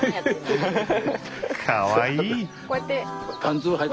かわいい！